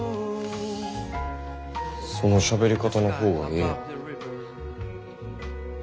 そのしゃべり方の方がええやん。